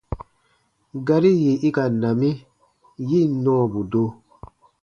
Gari yì i ka na mi, yi ǹ nɔɔbu do.